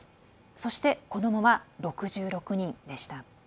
そして、子どもが６６人でした。